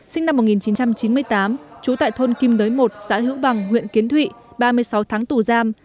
sinh năm một nghìn chín trăm chín mươi tám trú tại thôn kim đới một xã hữu bằng huyện kiến thụy ba mươi sáu tháng tù giam